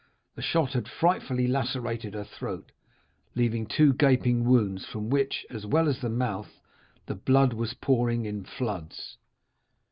The shot had frightfully lacerated her throat, leaving two gaping wounds from which, as well as the mouth, the blood was pouring in floods.